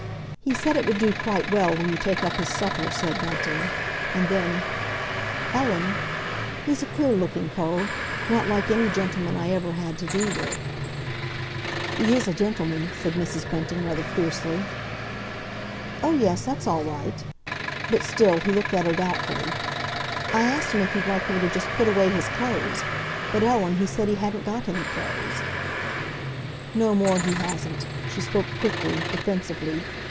"He said it would do quite well when you take up his supper," said Bunting; and, then, "Ellen? He's a queer looking cove—not like any gentleman I ever had to do with." "He is a gentleman," said Mrs. Bunting rather fiercely. "Oh, yes, that's all right." But still he looked at her doubtfully. "I asked him if he'd like me to just put away his clothes. But, Ellen, he said he hadn't got any clothes!" "No more he hasn't;" she spoke quickly, defensively.